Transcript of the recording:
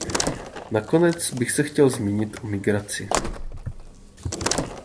Nakonec bych se chtěl zmínit o migraci.